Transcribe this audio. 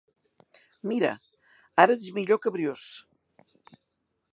Mira! Ara ets millor que Bruce.